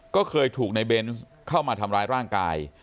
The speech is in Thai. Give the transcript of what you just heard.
ก็เคยถูกในเบนส์เข้ามาทำร้ายร่างกาย